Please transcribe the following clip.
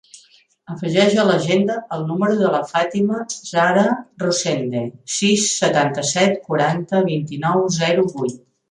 Afegeix a l'agenda el número de la Fàtima zahra Rosende: sis, setanta-set, quaranta, vint-i-nou, zero, vuit.